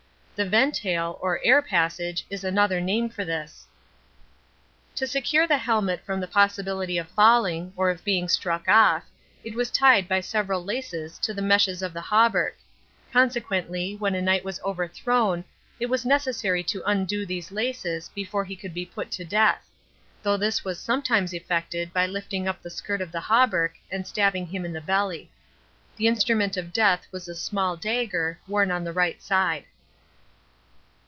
The VENTAYLE, or "air passage," is another name for this. To secure the helmet from the possibility of falling, or of being struck off, it was tied by several laces to the meshes of the hauberk; consequently, when a knight was overthrown it was necessary to undo these laces before he could be put to death; though this was sometimes effected by lifting up the skirt of the hauberk, and stabbing him in the belly. The instrument of death was a small dagger, worn on the right side.